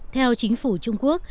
theo chính phủ trung quốc